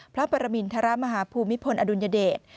พระปรมินทรมาฮภูมิพลอดุลยเดช